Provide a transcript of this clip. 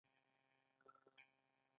اداره باید له هر ډول تبعیض پرته رامنځته شي.